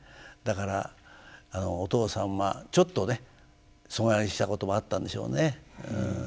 だからお父さんはちょっとね疎外したこともあったんでしょうね。